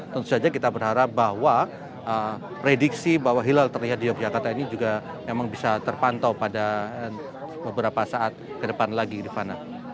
tentu saja kita berharap bahwa prediksi bahwa hilal terlihat di yogyakarta ini juga memang bisa terpantau pada beberapa saat ke depan lagi rifana